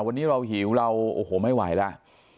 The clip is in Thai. วันนี้เราหิวเราโอ้โหไม่ไหวแล้ว